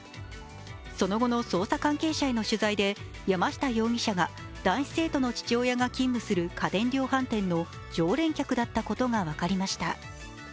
その後の捜査関係者への取材で山下容疑者が男子生徒の父親が勤務する家電量販店の常連客だったことが分かりました。